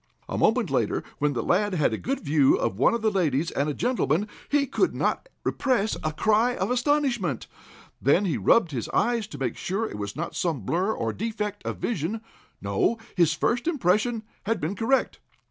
A moment later, when the lad had a good view of one of the ladies and a gentleman, he could not repress a cry of astonishment. Then he rubbed his eyes to make sure it was not some blur or defect of vision. No, his first impression had been correct. "Mr.